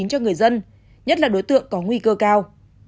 cho người dân nhất là đối tượng có nguy cơ cao